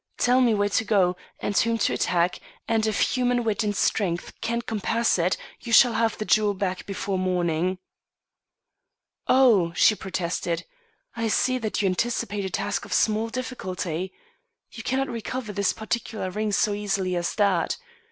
Tell me where to go, and whom to attack, and if human wit and strength can compass it, you shall have the jewel back before morning. "Oh!" she protested, "I see that you anticipate a task of small difficulty. You cannot recover this particular ring so easily as that.